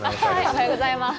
おはようございます。